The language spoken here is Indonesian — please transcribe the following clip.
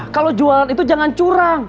kalau jualan itu jangan curang